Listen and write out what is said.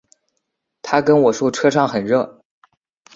她跟我说车上很热